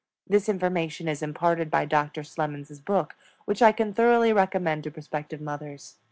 This information is imparted by Doctor Slemons' book, which I can thoroughly recommend to prospective mothers.